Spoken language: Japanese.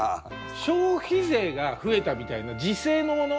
消費税が増えたみたいな時世のもの。